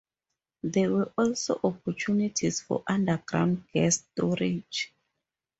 There were also opportunities for underground gas storage.